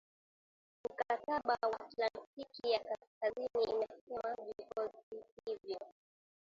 mkataba wa atlantiki ya kaskazini imesema vikosi hivyo